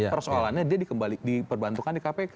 persoalannya dia diperbantukan di kpk